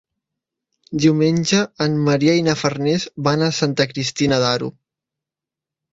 Diumenge en Maria i na Farners van a Santa Cristina d'Aro.